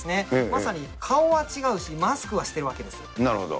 まさに顔は違うし、マスクはしてなるほど。